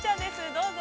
どうぞ。